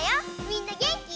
みんなげんき？